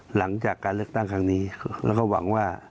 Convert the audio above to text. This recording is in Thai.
หลังจากการเลือกตั้งครั้งนี้แล้วก็หวังว่า